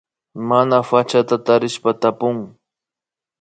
Mana pachata tarishpa tapun